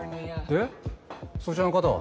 でそちらの方は？